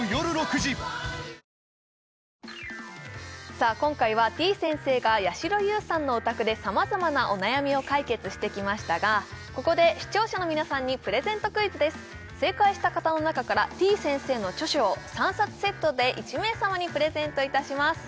さあ今回はてぃ先生がやしろ優さんのお宅で様々なお悩みを解決してきましたがここで視聴者の皆さんにプレゼントクイズです正解した方の中からてぃ先生の著書を３冊セットで１名様にプレゼントいたします